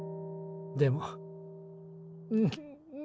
でもうう。